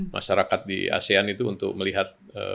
masyarakat di asean itu untuk melihat